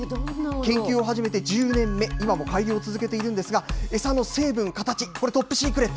研究を始めて１０年目、今も改良を続けているんですが、餌の成分、形、これ、トップシークレット。